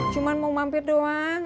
cuman mau mampir doang